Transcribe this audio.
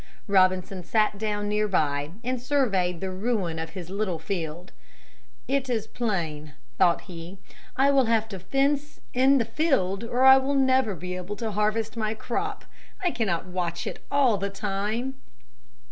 Robinson sat down nearby and surveyed the ruin of his little field. "It is plain," thought he, "I will have to fence in the field or I will never be able to harvest my crop. I cannot watch it all the time."